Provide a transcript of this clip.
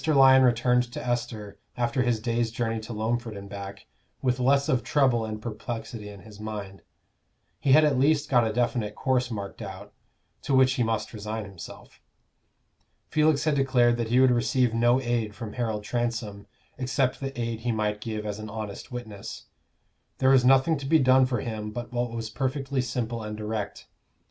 Lyon returned to Esther, after his day's journey to Loamford and back, with less of trouble and perplexity in his mind: he had at least got a definite course marked out, to which he must resign himself. Felix had declared that he would receive no aid from Harold Transome, except the aid he might give as an honest witness. There was nothing to be done for him but what was perfectly simple and direct.